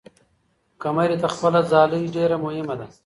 قمري ته خپله ځالۍ ډېره مهمه ده.